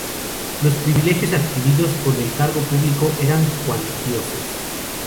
Los privilegios adquiridos con el cargo público eran cuantiosos.